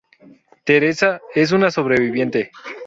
Teresa es una sobreviviente.